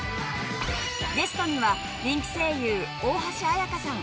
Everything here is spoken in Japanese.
ゲストには人気声優大橋彩香さん